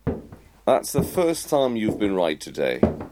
That's the first time you've been right today.